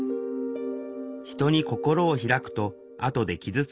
人に心を開くとあとで傷つく。